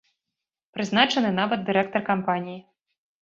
Прызначаны нават дырэктар кампаніі.